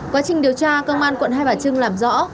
quá trình điều tra công an quận hai bà trưng làm rõ